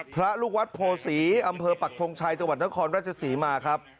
พระลูกวัดโพศีอำเภอปักทงชัยจังหวัดนครราชศรีมาครับ